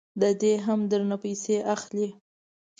ددې هم درنه پیسې اخلي.